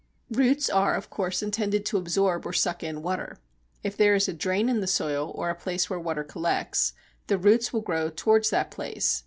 Roots are of course intended to absorb or suck in water. If there is a drain in the soil or a place where water collects, the roots will grow towards that place.